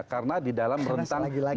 karena di dalam rentang margin of error